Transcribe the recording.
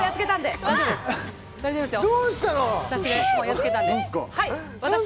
全然大丈夫ですよ